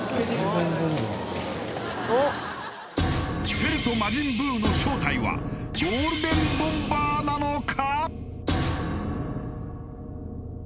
セルと魔人ブウの正体はゴールデンボンバーなのか？